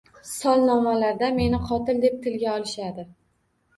Solnomalarda meni qotil deb tilga olishadi!